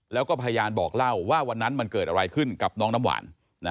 แล้วก็พยานบอกเล่าว่าวันนั้นมันเกิดอะไรขึ้นกับน้องน้ำหวาน